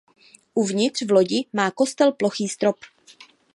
Uvnitř v lodi má kostel plochý strop.